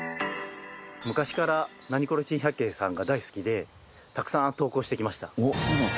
昔から『ナニコレ珍百景』さんが大好きでたくさん投稿してきました。